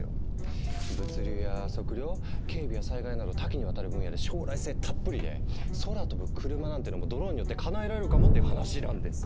物流や測量警備や災害など多岐にわたる分野で将来性たっぷりで空飛ぶ車なんてのもドローンによってかなえられるかもっていう話なんですよ。